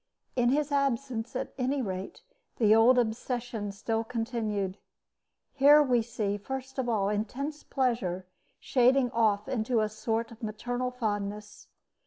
In his absence, at any rate, the old obsession still continued. Here we see, first of all, intense pleasure shading off into a sort of maternal fondness.